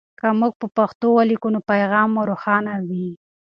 که موږ په پښتو ولیکو نو پیغام مو روښانه وي.